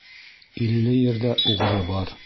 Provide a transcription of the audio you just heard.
Илле ерҙә уғры бар.